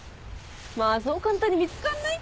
まあそう簡単に見つかんないって。